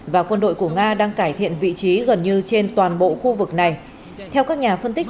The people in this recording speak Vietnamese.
và quân đội của nga đang cải thiện vị trí gần như trên toàn bộ khu vực này theo các nhà phân tích